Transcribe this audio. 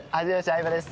相葉です